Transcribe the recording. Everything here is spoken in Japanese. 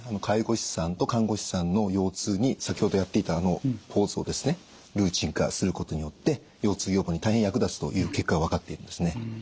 介護士さんと看護師さんの腰痛に先ほどやっていたあのポーズをですねルーチン化することによって腰痛予防に大変役立つという結果が分かっているんですね。